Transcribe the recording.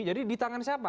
jadi di tangan siapa